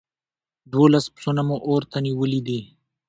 دوولس پسونه مو اور ته نيولي دي.